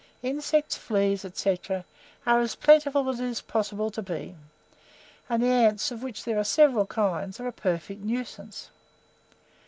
Insects, fleas, &c., are as plentiful as it is possible to be, and the ants, of which there are several kinds, are a perfect nuisance.